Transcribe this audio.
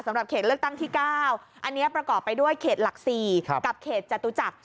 สำหรับเขตเลือกตั้งที่๙อันนี้ประกอบไปด้วยเขตหลัก๔กับเขตจตุจักร